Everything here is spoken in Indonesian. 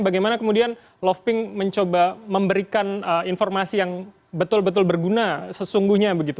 bagaimana kemudian loving mencoba memberikan informasi yang betul betul berguna sesungguhnya begitu